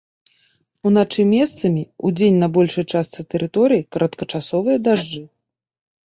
Уначы месцамі, удзень на большай частцы тэрыторыі кароткачасовыя дажджы.